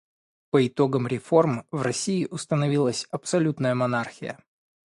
По итогам реформ в России установилась абсолютная монархия.